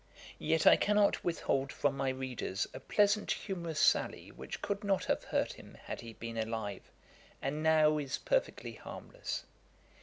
Yet I cannot withhold from my readers a pleasant humourous sally which could not have hurt him had he been alive, and now is perfectly harmless.